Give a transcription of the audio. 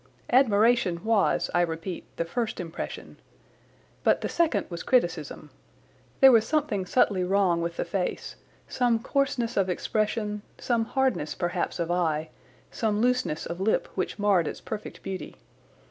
Admiration was, I repeat, the first impression. But the second was criticism. There was something subtly wrong with the face, some coarseness of expression, some hardness, perhaps, of eye, some looseness of lip which marred its perfect beauty.